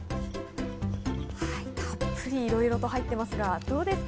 たっぷりいろいろと入ってますが、どうですか？